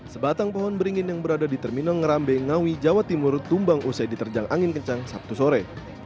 sebatang pohon beringin yang berada di terminal ngerambe ngawi jawa timur tumbang usai diterjang angin kencang sabtu sore